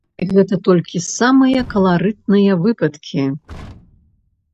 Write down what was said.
Гэта толькі самыя каларытныя выпадкі!